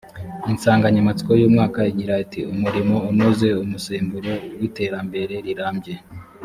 insanganyamatsiko y’umwaka igira iti umurimo unoze umusemburo w’iterambere rirambye